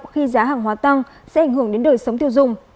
khi giá hàng hóa tăng sẽ ảnh hưởng đến đời sống tiêu dùng